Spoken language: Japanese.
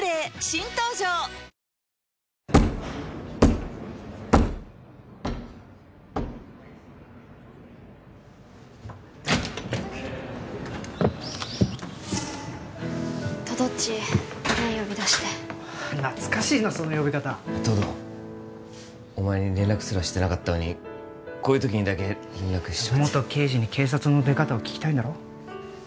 新登場とどっちごめん呼び出して懐かしいなその呼び方東堂お前に連絡すらしてなかったのにこういう時にだけ連絡しちゃって元刑事に警察の出方を聞きたいんだろ？